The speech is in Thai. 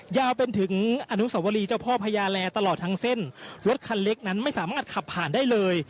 ยาวเป็นถึงอนุสวรีเจ้าพ่อพญาแลตลอดทั้งเส้นรถคันเล็กนั้นไม่สามารถขับผ่านได้เลย